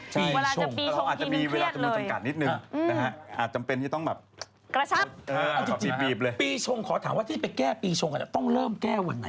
พี่ชงอาจจะมีเวลาจำกัดนิดหนึ่งนะฮะอาจจะมีเวลาจำกัดนิดหนึ่งนะฮะอาจจะมีเวลาจำกัดนิดหนึ่งนะฮะ